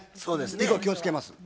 以後気をつけます。